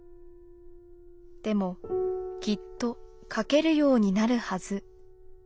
でもきっと書けるようになるはず。